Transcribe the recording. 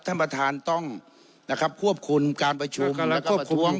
ท่านประธานต้องนะครับขอบคุณการประชุมและประท้วง